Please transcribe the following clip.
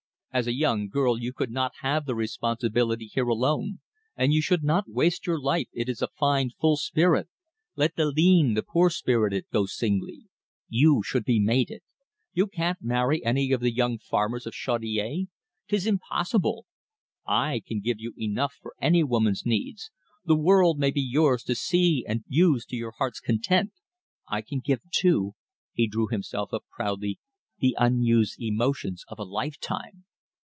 "As a young girl you could not have the responsibility here alone. And you should not waste your life it is a fine, full spirit; let the lean, the poor spirited, go singly. You should be mated. You can't marry any of the young farmers of Chaudiere. 'Tis impossible. I can give you enough for any woman's needs the world may be yours to see and use to your heart's content. I can give, too" he drew himself up proudly "the unused emotions of a lifetime."